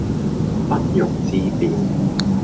不容置辯